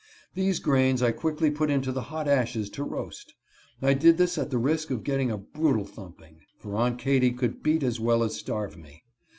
These grains I quickly put into the hot ashes to roast. I did this at the risk of getting a brutal thumping, for Aunt Katy could beat as well as starve me.